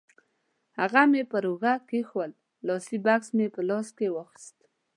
هغه مې پر اوږه کېښوول، لاسي بکس مې په لاس کې واخیست.